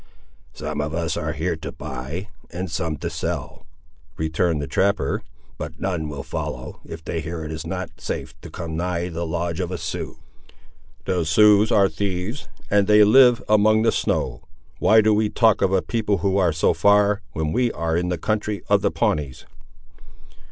"Some of us are here to buy, and some to sell," returned the trapper; "but none will follow, if they hear it is not safe to come nigh the lodge of a Sioux." "The Siouxes are thieves, and they live among the snow; why do we talk of a people who are so far, when we are in the country of the Pawnees?"